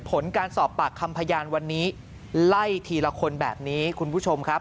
ผลการสอบปากคำพยานวันนี้ไล่ทีละคนแบบนี้คุณผู้ชมครับ